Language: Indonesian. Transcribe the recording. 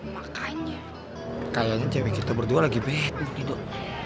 makanya kayaknya cewek kita berdua lagi baik